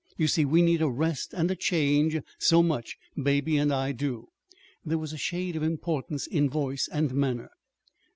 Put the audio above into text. You see, we need a rest and a change so much Baby and I do." There was a shade of importance in voice and manner.